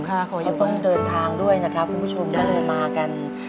เขายังต้องเดินทางด้วยนะครับคุณผู้ชมก็เลยมากัน